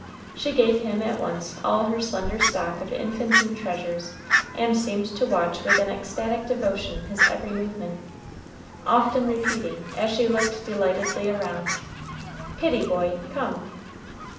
She gave him at once all her slender stock of infantine treasures, and seemed to watch with an ecstatic devotion his every movement, often repeating, as she looked delightedly around, "Pitty boy, come."